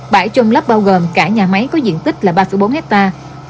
bãi chôm lắp bao gồm cả nhà máy có diện tích là ba bốn hectare